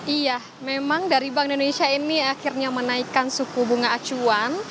iya memang dari bank indonesia ini akhirnya menaikkan suku bunga acuan